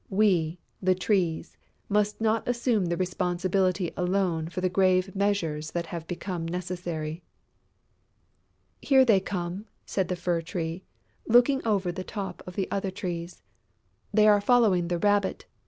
We, the Trees, must not assume the responsibility alone for the grave measures that have become necessary." "Here they come!" said the Fir tree, looking over the top of the other Trees. "They are following the Rabbit....